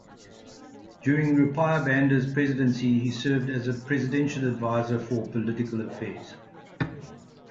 During Rupiah Banda's presidency, he served as a Presidential Advisor for Political Affairs.